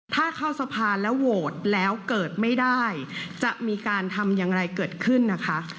ถ้าเข้าสะพานแล้วโหวตแล้วเกิดไม่ได้จะมีการทำอย่างไรเกิดขึ้นนะคะ